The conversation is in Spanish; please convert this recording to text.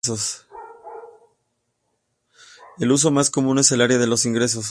El uso más común es en el área de los ingresos.